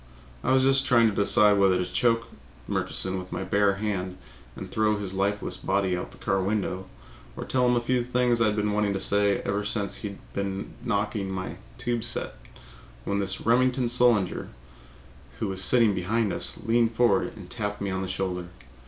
I was just trying to decide whether to choke Murchison with my bare hand and throw his lifeless body out of the car window, or tell him a few things I had been wanting to say ever since he began knocking my tube set, when this Remington Solander, who was sitting behind us, leaned forward and tapped me on the shoulder.